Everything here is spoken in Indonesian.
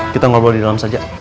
kita ngobrol di dalam saja